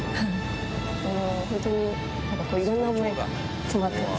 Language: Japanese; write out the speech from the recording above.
本当になんかいろんな思いが詰まってます。